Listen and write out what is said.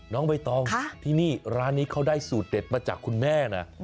น้องใบตองที่นี่ร้านนี้เขาได้สูตรเด็ดมาจากคุณแม่นะ